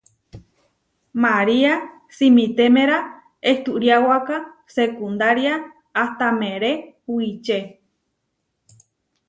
María simitémera ehturiáwaka seekundária ahta meré wiče.